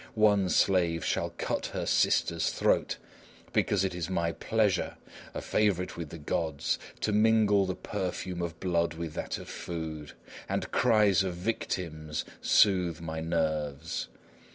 One slave shall cut her sister's throat, because it is my pleasure a favourite with the gods to mingle the perfume of blood with that of food, and cries of victims soothe my nerves.